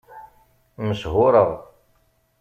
Mechuṛeɣ.